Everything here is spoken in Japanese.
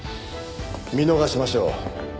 見逃しましょう。